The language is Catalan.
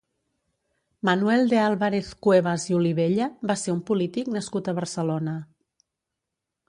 Manuel de Álvarez-Cuevas i Olivella va ser un polític nascut a Barcelona.